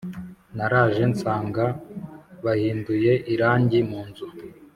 Naraje nsanga bahinduye irangi munzu